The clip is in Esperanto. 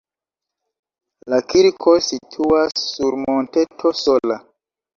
La kirko situas sur monteto sola.